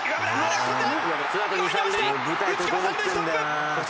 内川三塁ストップ！